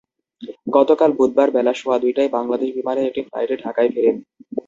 গতকাল বুধবার বেলা সোয়া দুইটায় বাংলাদেশ বিমানের একটি ফ্লাইটে ঢাকায় ফেরেন।